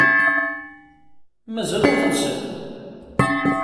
Mazal ur telsiḍ?